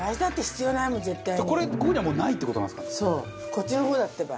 こっちの方だってば。